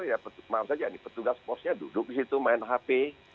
maaf saja petugas postnya duduk di situ main hp